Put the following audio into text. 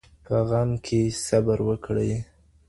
په غم کې صبر وکړئ.